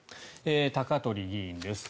高鳥議員です。